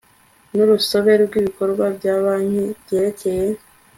n urusobe rw ibikorwa bya banki byerekeye